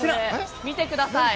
見てください。